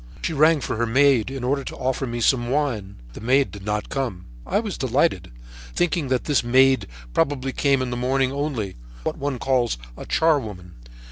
She rang for her maid, in order to offer me some wine. The maid did not come. I was delighted, thinking that this maid probably came in the morning only, what one calls a charwoman.